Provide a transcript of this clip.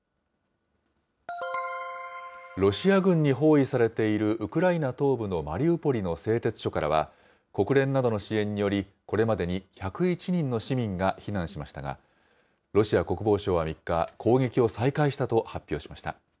ロシア軍に包囲されているウクライナ東部のマリウポリの製鉄所からは、国連などの支援により、これまでに１０１人の市民が避難しましたが、ロシア国防省は３日、攻撃を再開したと発表しました。